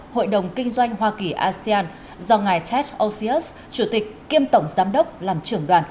hội đồng kinh doanh hoa kỳ asean do ngài tets osyus chủ tịch kiêm tổng giám đốc làm trưởng đoàn